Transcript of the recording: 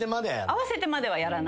合わせてまではやらない。